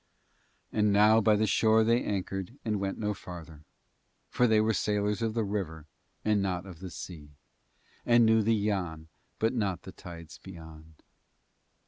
And now by the shore they anchored and went no farther, for they were sailors of the river and not of the sea, and knew the Yann but not the tides beyond.